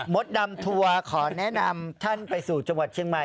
ดำทัวร์ขอแนะนำท่านไปสู่จังหวัดเชียงใหม่